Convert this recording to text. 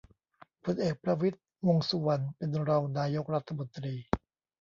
พลเอก ประวิตร วงษ์สุวรรณ เป็นรองนายกรัฐมนตรี